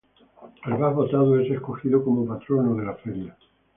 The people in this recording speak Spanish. El más votado es escogido como Patrono de la feria.